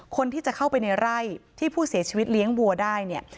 คนที่จะเข้าไปในไร่ที่ผู้เสียชีวิตเลี้ยงวัวได้เนี่ย